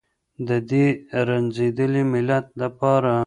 د دې رنځېدلي ملت لپاره.